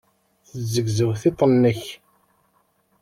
Tezzegzew tiṭ-nnek.